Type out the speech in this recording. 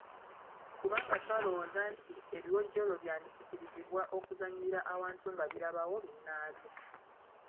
Kubanga twalowooza nti ebiwojjolo byandisikirizibwa okuzannyira awantu nga birabawo binnaabyo.